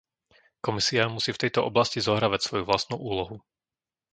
Komisia musí v tejto oblasti zohrávať svoju vlastnú úlohu.